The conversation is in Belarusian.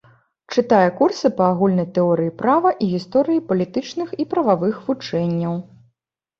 Чытае курсы па агульнай тэорыі права і гісторыі палітычных і прававых вучэнняў.